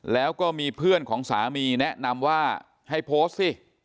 แล้วก็มีเพื่อนของสามีแนะนำว่าให้โพสต์สิ